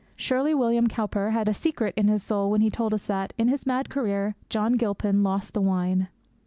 Surely William Cowper had a secret in his soul when he told us that, in his mad career, John Gilpin lost the wine!